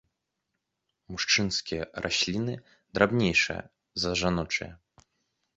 Мужчынскія расліны драбнейшыя за жаночыя.